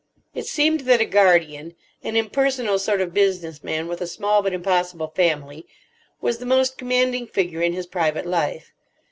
It seemed that a guardian—an impersonal sort of business man with a small but impossible family—was the most commanding figure in his private life.